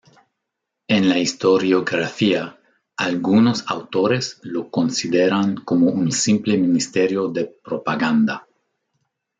En la historiografía, algunos autores lo consideran como un simple Ministerio de Propaganda.